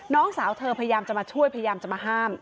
น้องสาวเธอพยายามจะมาช่วยพยายามจะมาห้าม